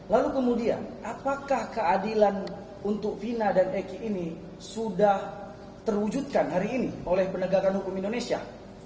lalu kemudian apakah keadilan untuk vina dan eki ini sudah terwujudkan hari ini oleh penegakan hukum indonesia